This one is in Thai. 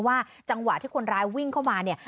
จังหวะที่คนร้ายวิ่งเข้ามาเนี่ย